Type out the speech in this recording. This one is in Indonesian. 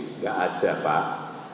tidak ada pak